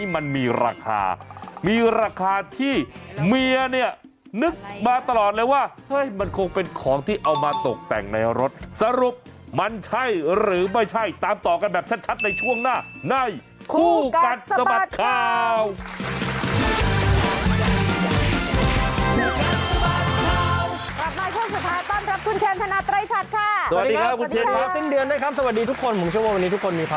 มันสร้างความรำคาญนะบางทีอะ